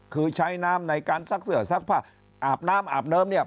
คือใช้น้ำในการซักเสื้อซักผ้าอาบน้ำอาบน้ำเนี่ย